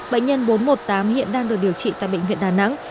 bệnh nhân bốn trăm một mươi tám hiện đang được điều trị tại bệnh viện đà nẵng